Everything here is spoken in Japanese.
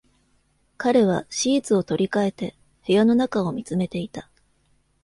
彼はシーツを取り替えて、部屋の中を見つめていた。